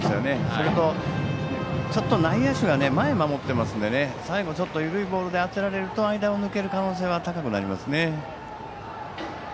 それと、ちょっと内野手が前に守っていましたので最後、緩いボールで当てられると間を抜ける可能性は高くなりますね。